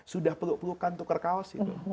sudah peluk pelukan tukar kaos gitu